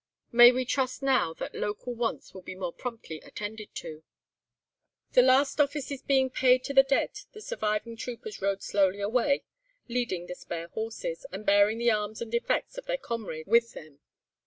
May we trust now that local wants will be more promptly attended to. "The last offices being paid to the dead the surviving troopers rode slowly away leading the spare horses, and bearing the arms and effects of their comrades with them.